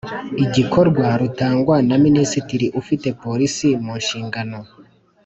igikorwa rutangwa na Minisitiri ufite Polisi munshingano